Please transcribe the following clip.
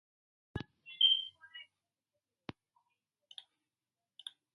The site also served as a portal to the other content sites.